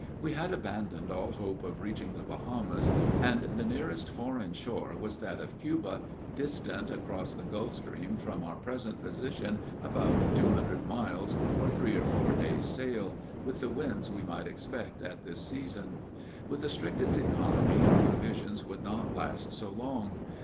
We had abandoned all hope of reaching the Bahamas, and the nearest foreign shore was that of Cuba, distant across the Gulf Stream from our present position about two hundred miles, or three or four days' sail, with the winds we might expect at this season. With the strictest economy our provisions would not last so long.